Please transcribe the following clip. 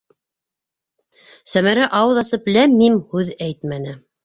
Сәмәрә ауыҙ асып ләм-мим һүҙ әйтмәне.